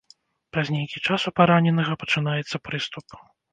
Праз нейкі час у параненага пачынаецца прыступ.